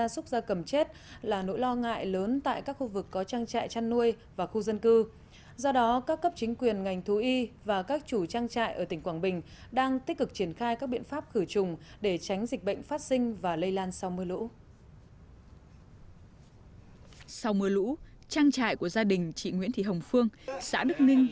sau mưa lũ trang trại của gia đình chị nguyễn thị hồng phương xã đức ninh